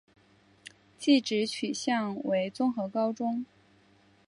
技职取向为综合高中。